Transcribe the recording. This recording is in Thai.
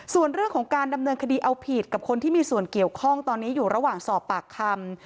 ส่วนเรื่องของการดำเนินคดีเอาผิดกับคนที่มีส่วนเกี่ยวข้องตอนนี้อยู่ระหว่างสอบปากคำ